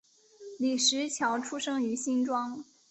李石樵出生于新庄